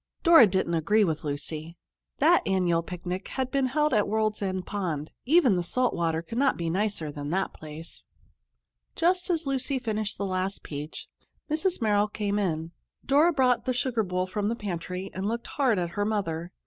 Dora didn't agree with Lucy. That annual picnic had been held at World's End Pond. Even the salt water could not be nicer than that place. Just as Lucy finished the last peach, Mrs. Merrill came in. Dora brought the sugar bowl from the pantry and looked hard at her mother.